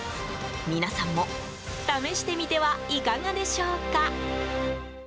皆さんも試してみてはいかがでしょうか。